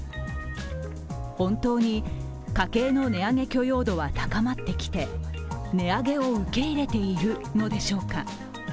本当に家計の値上げ許容度は高まってきて値上げを受け入れているのでしょうか。